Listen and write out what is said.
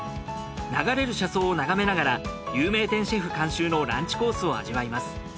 流れる車窓を眺めながら有名店シェフ監修のランチコースを味わいます。